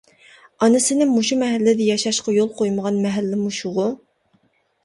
ئانىسىنى مۇشۇ مەھەللىدە ياشاشقا يول قويمىغان مەھەللە مۇشۇغۇ.